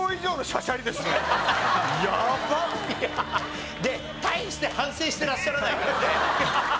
やばっ！で大して反省してらっしゃらないからね。